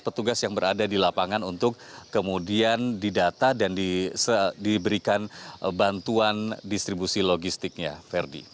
petugas yang berada di lapangan untuk kemudian didata dan diberikan bantuan distribusi logistiknya ferdi